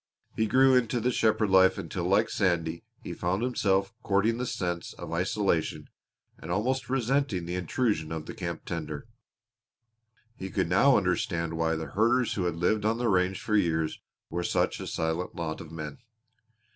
He grew into the shepherd life until like Sandy he found himself courting the sense of isolation and almost resenting the intrusion of the camp tender. He could now understand why the herders who had lived on the range for years were such a silent lot of men.